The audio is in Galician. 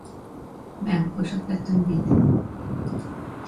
Ben, pois acepto o envite.